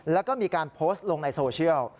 แล้วก็มีการโพสต์ลงในโซเชียล